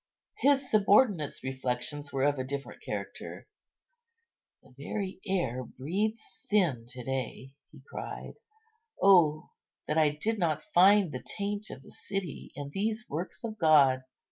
His subordinate's reflections were of a different character: "The very air breathes sin to day," he cried; "oh that I did not find the taint of the city in these works of God!